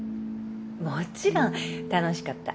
もちろん。楽しかった。